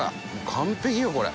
完璧よこれ。